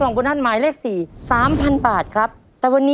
หนึ่งล้านหนึ่งล้านหนึ่งล้าน